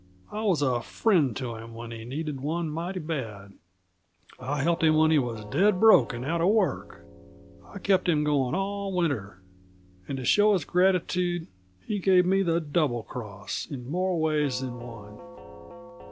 I was a friend to him when he needed one mighty bad. I helped him when he was dead broke and out uh work. I kept him going all winter and to show his gratitude, he gave me the doublecross, in more ways than one.